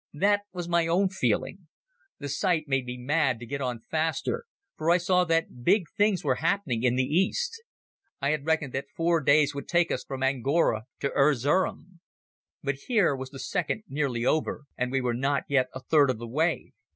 That was my own feeling. The sight made me mad to get on faster, for I saw that big things were happening in the East. I had reckoned that four days would take us from Angora to Erzerum, but here was the second nearly over and we were not yet a third of the way.